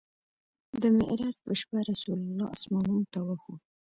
د معراج په شپه رسول الله اسمانونو ته وخوت.